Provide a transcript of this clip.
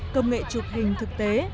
công nghệ chụp hình thực tế